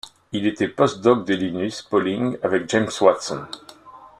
Il était post-doc de Linus Pauling avec James Watson.